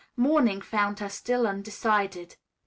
Morning found her still undecided.